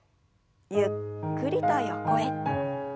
ゆっくりと横へ。